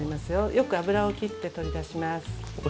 よく油をきって取り出します。